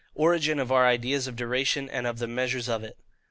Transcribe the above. Origin of our Ideas of Duration, and of the measures of it.